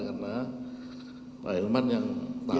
karena pak ilman yang tahu